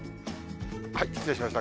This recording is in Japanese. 失礼しました。